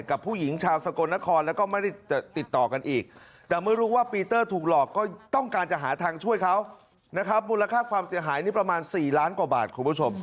อันนี้นี่ค่ะเขาเสียใจมาก